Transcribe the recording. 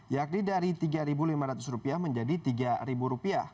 yakni dari rp tiga lima ratus menjadi rp tiga